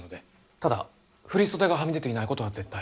ただ振り袖がはみ出ていない事は絶対。